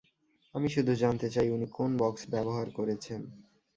আমি শুধু জানতে চাই উনি কোন বক্স ব্যবহার করেছেন।